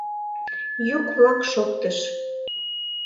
— йӱк-влак шоктышт.